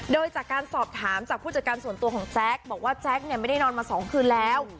โดยจากการสอบถามจากผู้จัดการส่วนตัวของแจ๊คบอกว่าแจ๊คเนี่ยไม่ได้นอนมา๒คืนแล้ว